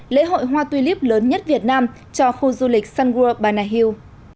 lễ hội hoa tuy líp lớn nhất việt nam cho khu du lịch sun world banahill